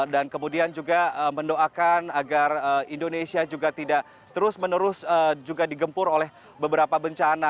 dan kemudian juga mendoakan agar indonesia juga tidak terus menerus juga digempur oleh beberapa bencana